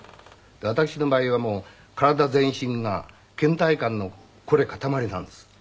私の場合はもう体全身が倦怠感のこれ塊なんです。